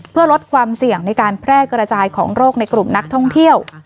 เพื่อลดความเสี่ยงในการแพร่กระจายของโรคในกลุ่มนักท่องเที่ยว